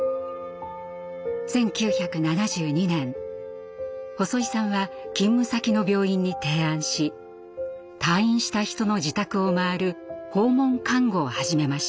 １９７２年細井さんは勤務先の病院に提案し退院した人の自宅を回る訪問看護を始めました。